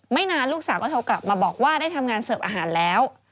นานลูกสาวก็โทรกลับมาบอกว่าได้ทำงานเสิร์ฟอาหารแล้ว